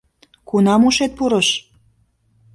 — Кунам ушет пурыш?